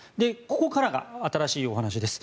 ここからが新しいお話です。